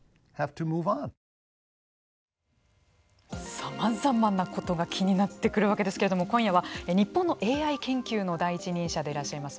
さまざまなことが気になってくるわけですけれども今夜は日本のＡＩ研究の第一人者でいらっしゃいます